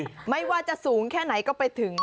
ไม่ว่าจะสูงแค่ไหนก็ไปถึง